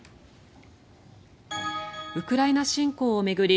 ウクライナ侵攻を巡り